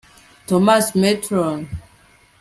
thomas merton